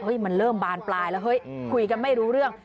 มันเริ่มบานปลายแล้วเฮ้ยคุยกันไม่รู้เรื่อง